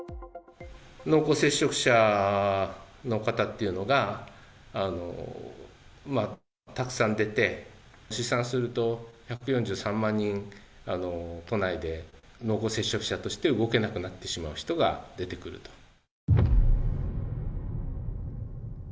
濃厚接触の方っていうのが、たくさん出て、試算すると１４３万人、都内で濃厚接触者として動けなくなってしまう人が出てくると。